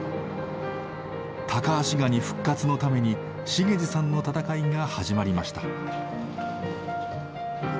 タカアシガニ復活のために茂司さんの闘いが始まりました。